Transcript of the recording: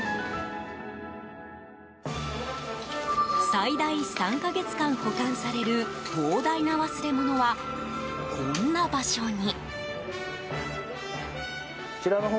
最大３か月間、保管される膨大な忘れ物は、こんな場所に。